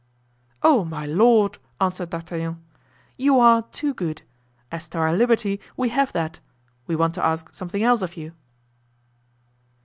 "Oh, my lord!" answered D'Artagnan, "you are too good; as to our liberty, we have that; we want to ask something else of you."